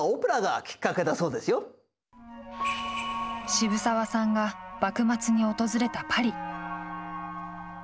渋沢さんが幕末に訪れたパリ。